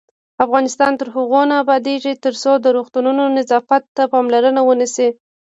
افغانستان تر هغو نه ابادیږي، ترڅو د روغتونونو نظافت ته پاملرنه ونشي.